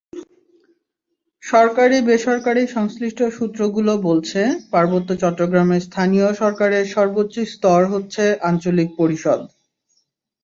সরকারি-বেসরকারি সংশ্লিষ্ট সূত্রগুলো বলছে, পার্বত্য চট্টগ্রামের স্থানীয় সরকারের সর্বোচ্চ স্তর হচ্ছে আঞ্চলিক পরিষদ।